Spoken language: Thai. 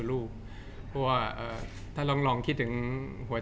จากความไม่เข้าจันทร์ของผู้ใหญ่ของพ่อกับแม่